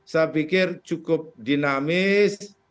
saya pikir cukup dinamis